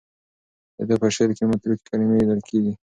د ده په شعر کې متروکې کلمې لیدل کېږي.